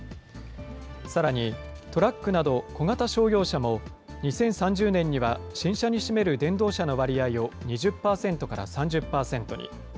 さらにトラックなど小型商用車も２０３０年には新車に占める電動車の割合を２０％から３０％に。